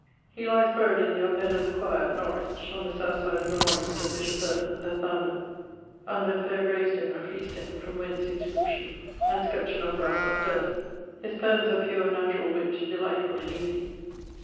He lyes buried in the upper end of the choire at Norwich, [on the south side of the monument of bishop Herbert, the founder, under a faire gravestone of free stone, from whence the inscription[CU] and scutcheon of brasse are stollen]. His poems are pure naturall witt, delightfull and easie.